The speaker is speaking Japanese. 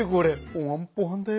ポワンポワンだよ。